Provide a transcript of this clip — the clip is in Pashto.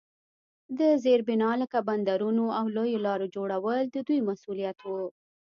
د زیربنا لکه بندرونو او لویو لارو جوړول د دوی مسوولیت وو.